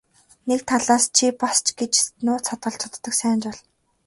Нэг талаас чи бас ч гэж нууц хадгалж чаддаг сайн жаал.